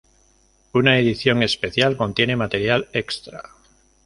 Una edición especial, contiene material extra.